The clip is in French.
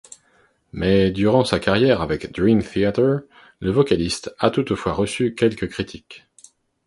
Mais durant sa carrière avec Dream Theater, le vocaliste a toutefois reçu quelques critiques.